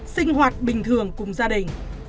sinh hoạt bình thường cùng gia đình